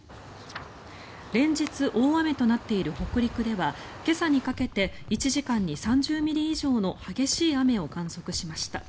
連日、大雨となっている北陸では今朝にかけて１時間に３０ミリ以上の激しい雨を観測しました。